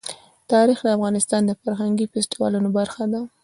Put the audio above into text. تاریخ د افغانستان د فرهنګي فستیوالونو برخه ده.